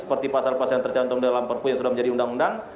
seperti pasal pasal yang tercantum dalam perpu yang sudah menjadi undang undang